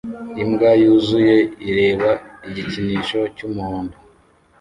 Imbwa yuzuye ireba igikinisho cyumuhondo